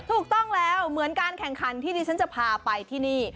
ถูกต้องแล้วเหมือนการแข่งขันที่ดิฉันจะพาไปที่นี่